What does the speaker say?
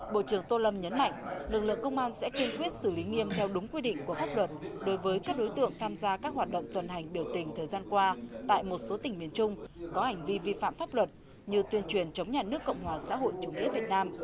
bộ trưởng tô lâm nhấn mạnh lực lượng công an sẽ kiên quyết xử lý nghiêm theo đúng quy định của pháp luật đối với các đối tượng tham gia các hoạt động tuần hành biểu tình thời gian qua tại một số tỉnh miền trung có hành vi vi phạm pháp luật như tuyên truyền chống nhà nước cộng hòa xã hội chủ nghĩa việt nam